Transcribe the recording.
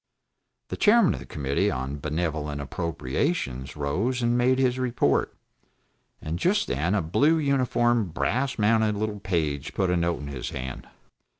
The Chairman of the Committee on Benevolent Appropriations rose and made his report, and just then a blue uniformed brass mounted little page put a note into his hand.